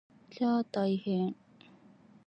きゃー大変！